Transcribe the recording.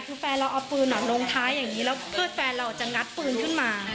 คือแฟนเราเอาปืนลงท้ายอย่างนี้แล้วเพื่อนแฟนเราจะงัดปืนขึ้นมา